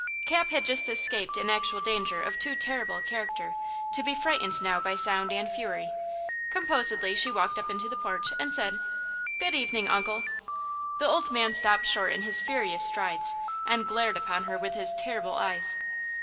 Cap had just escaped an actual danger of too terrible a character to be frightened now by sound and fury. Composedly she walked up into the porch and said: "Good evening, uncle." The old man stopped short in his furious strides and glared upon her with his terrible eyes.